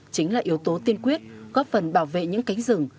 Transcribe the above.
chính là yếu tố tiên quyết góp phần bảo vệ những cánh rừng